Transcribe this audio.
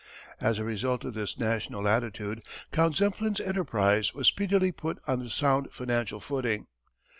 As a result of this national attitude Count Zeppelin's enterprise was speedily put on a sound financial footing.